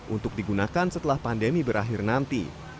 untuk digunakan setelah pandemi berakhir nanti